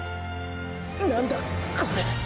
何だこれ！！